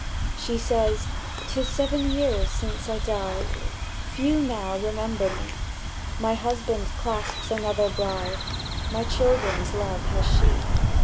She said: "'Tis seven years since I died: Few now remember me; My husband clasps another bride; My children's love has she.